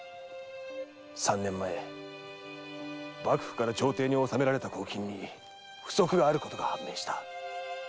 三年前幕府から朝廷に納められた公金に不足があることが判明した。